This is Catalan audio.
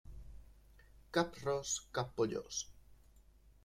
Cap ros, cap pollós.